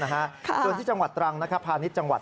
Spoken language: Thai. ส่วนที่จังหวัดตรังพาณิชย์จังหวัด